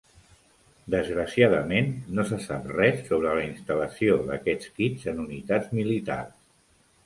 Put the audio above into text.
Desgraciadament, no se sap res sobre la instal·lació d'aquests kits en unitats militars.